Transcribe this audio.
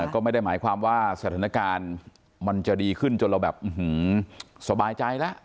ก็ไม่ได้หมายความว่าสถานการณ์มันจะดีขึ้นจนเราแบบสบายใจแล้ว